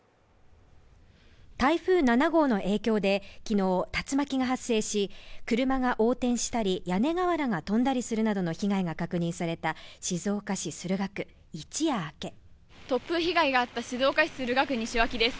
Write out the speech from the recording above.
台風７号の影響できのう竜巻が発生し車が横転したり屋根瓦が飛んだりするなどの被害が確認された静岡市駿河区一夜明け突風被害があった静岡市駿河区です